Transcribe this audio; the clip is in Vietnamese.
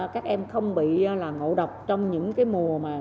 các em không bị ngộ độc trong những mùa